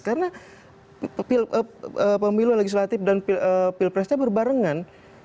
karena pemilu legislatif dan pilpresnya berbarengan